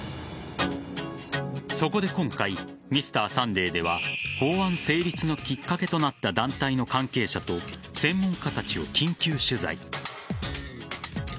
そこで今回「Ｍｒ．サンデー」では法案成立のきっかけとなった団体の関係者と専門家たちを緊急取材。